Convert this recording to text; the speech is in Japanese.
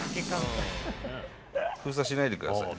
封鎖しないでください。